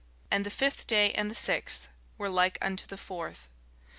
And the fifth day and the sixth were like unto the fourth.